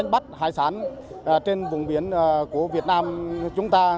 bắt hải sản trên vùng biển của việt nam chúng ta